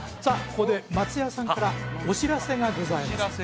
ここで松也さんからお知らせがございます